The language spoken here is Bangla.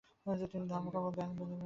তিনি ধর্মকর্ম দানাধ্যানে ব্যস্ত হয়ে পড়েন।